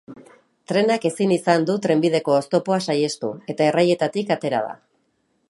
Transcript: Trenak ezin izan du trenbideko oztopoa saihestu, eta errailetatik atera da.